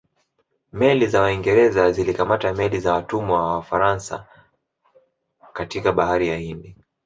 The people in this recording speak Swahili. Meli za Waingereza zilikamata meli za watumwa za Wafaransa katika bahari ya Hindi